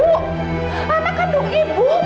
anak kandung ibu